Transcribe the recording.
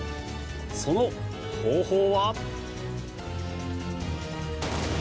その方法は。